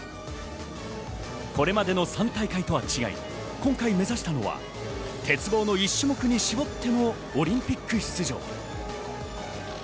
これまでの３大会とは違い、今回目指したのは鉄棒の１種目に絞ってのオリンピック出場。